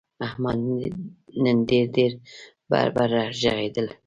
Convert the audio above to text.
احمد نن ډېر بړ بړ ږغېدل.